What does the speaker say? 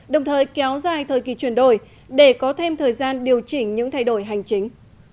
đồng thời kéo dài thời kỳ chuyển đổi để có thêm thời gian điều chỉnh những thay đổi hành chính